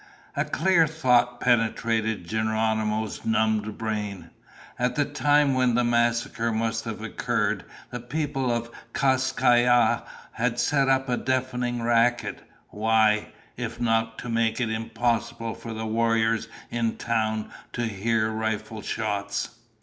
A clear thought penetrated Geronimo's numbed brain. At the time when the massacre must have occurred, the people of Kas Kai Ya had set up a deafening racket. Why, if not to make it impossible for the warriors in town to hear rifle shots?